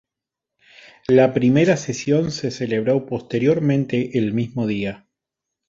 La primera sesión se celebró posteriormente el mismo día.